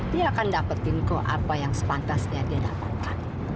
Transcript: dia akan dapetin kok apa yang sepantasnya dia dapatkan